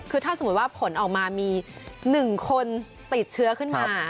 คือถ้าสมมุติว่าผลออกมามี๑คนติดเชื้อขึ้นมา